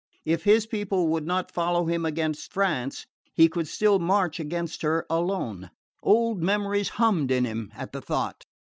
If his people would not follow him against France he could still march against her alone. Old memories hummed in him at the thought.